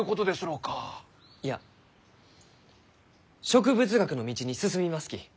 いや植物学の道に進みますき。